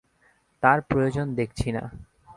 তার প্রয়োজন দেখছি না।